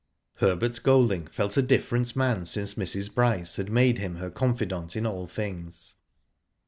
Herbert Golding felt a different man since Mrs. Bryce had made him her confidant in all things.